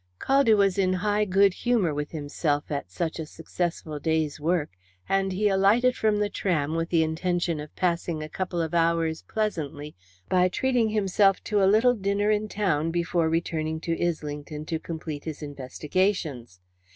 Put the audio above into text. Caldew was in high good humour with himself at such a successful day's work, and he alighted from the tram with the intention of passing a couple of hours pleasantly by treating himself to a little dinner in town before returning to Islington to complete his investigations.